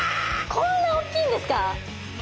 こんなおっきいんですか？